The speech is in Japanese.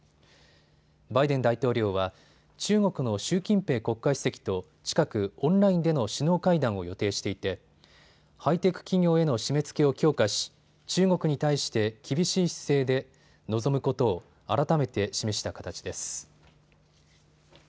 バイデン大統領は、中国の習近平国家主席と近くオンラインでの首脳会談を予定していてハイテク企業への締めつけを強化し中国に対して厳しい姿勢で臨むことを改めて示した形です。